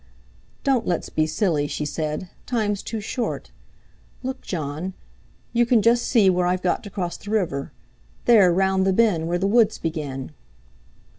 "Don't let's be silly," she said, "time's too short. Look, Jon, you can just see where I've got to cross the river. There, round the bend, where the woods begin."